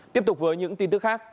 tiếp tục với những tin tức khác